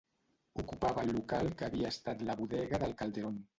Ocupava el local que havia estat la Bodega del Calderón.